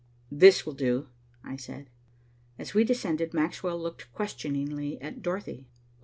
"This will do," I said. As we descended, Maxwell looked questioningly at Dorothy.